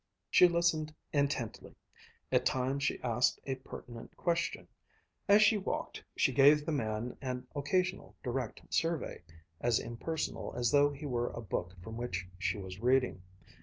She listened intently; at times she asked a pertinent question; as she walked she gave the man an occasional direct survey, as impersonal as though he were a book from which she was reading.